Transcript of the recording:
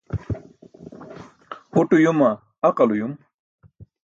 Uṭ uyuma, aqal uyum?